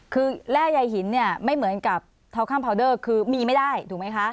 คือแร่ใยหินเนี่ยไม่เหมือนกับทาวข้ามพาวเดอร์คือมีไม่ได้ถูกไหมคะ